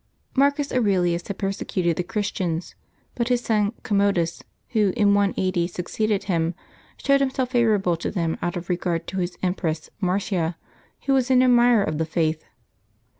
yi^ARCus AuRELius had persecuted the Christians, but >*< his son Commodus, who in 180 succeeded him, showed himself favorable to them out of regard to his Em press Marcia, who was an admirer of the Faith.